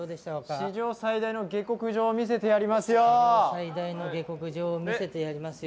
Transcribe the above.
史上最大の下克上見せてやりますよ。